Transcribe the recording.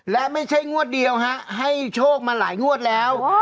และไม่ใช่งวดเดียวฮะให้โชคมาหลายงวดแล้ว